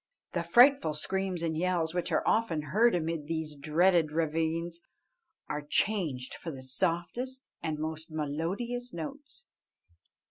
The frightful screams and yells which are often heard amid these dreaded ravines are changed for the softest and most melodious notes.